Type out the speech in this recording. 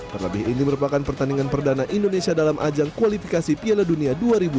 terlebih ini merupakan pertandingan perdana indonesia dalam ajang kualifikasi piala dunia dua ribu dua puluh